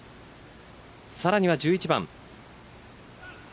さらには１１番。